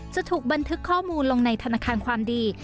จะถูกบันทึกข้อมูลลงในธนาคารความดี